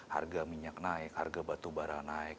harga minyak naik harga batu bara naik